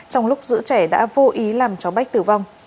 trong lúc giữ trẻ đã vô ý làm cháu bách tử vong